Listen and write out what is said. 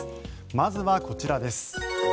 まずはこちらです。